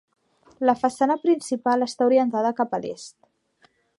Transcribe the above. La façana principal està orientada cap a l'est.